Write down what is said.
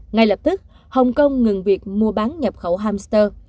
ngay lập tức hồng kông ngừng việc mua bán nhập khẩu hamster